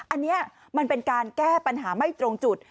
อันนี้มันเป็นการแก้ปัญหาไม่ตรงจุด